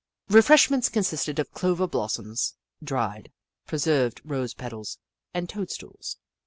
Refreshments consisted of clover blossoms, dried, preserved rose petals, and toadstools.